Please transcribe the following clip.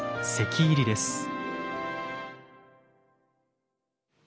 席入りです。